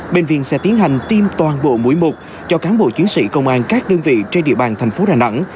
bệnh viện sẽ tiến hành tiêm toàn bộ mũi mục cho cán bộ chiến sĩ công an các đơn vị trên địa bàn thành phố đà nẵng